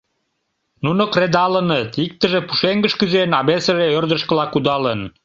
Нуно кредалыныт; иктыже пушеҥгыш кӱзен, а весыже ӧрдыжкыла кудалын.